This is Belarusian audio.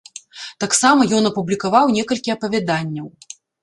Таксама ён апублікаваў некалькі апавяданняў.